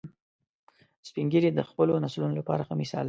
سپین ږیری د خپلو نسلونو لپاره ښه مثال دي